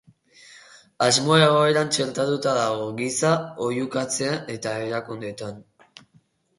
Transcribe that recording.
Asmoa egoeran txertatuta dago, giza ohikuntzetan eta erakundeetan.